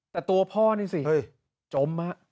แต่ตัวพ่อนี่สิจมฮะ